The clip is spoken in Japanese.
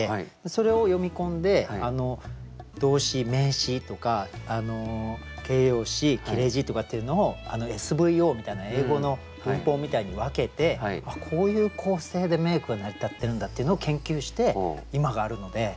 それを読み込んで動詞名詞とか形容詞切れ字とかっていうのをＳＶＯみたいな英語の文法みたいに分けてこういう構成で名句が成り立ってるんだっていうのを研究して今があるので。